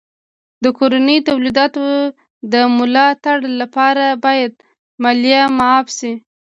د کورنیو تولیداتو د ملا تړ لپاره باید مالیه معاف سي.